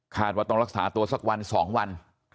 ว่าต้องรักษาตัวสักวัน๒วัน